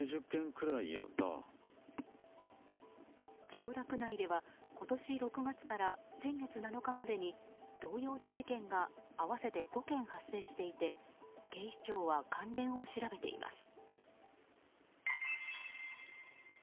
千代田区内では今年６月から先月７日までに同様の事件が合わせて５件発生していて警視庁は関連を調べています。